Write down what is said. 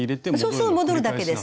そう戻るだけです。